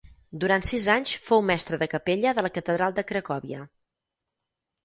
Durant sis anys fou mestre de capella de la catedral de Cracòvia.